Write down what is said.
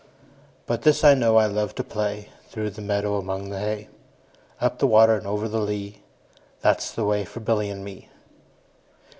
20 But this I know, I love to play Through the meadow, among the hay; Up the water and over the lea, That 's the way for Billy and me.